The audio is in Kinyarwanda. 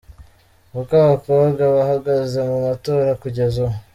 Uko abakobwa bahagaze mu matora kugeza ubu:.